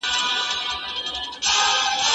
احساسات نورو ته څرګندول ګټور دي.